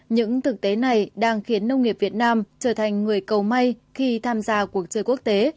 những thực tế này đang khiến nông nghiệp việt nam trở thành người cầu may khi tham gia cuộc chơi quốc tế